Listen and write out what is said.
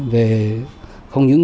về không những